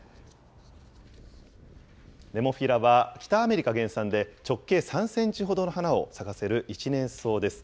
ネモフィラは北アメリカ原産で、直径３センチほどの花を咲かせる一年草です。